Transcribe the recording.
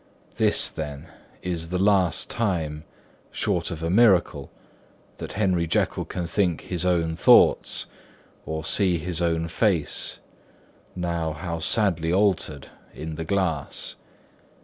This, then, is the last time, short of a miracle, that Henry Jekyll can think his own thoughts or see his own face (now how sadly altered!) in the glass.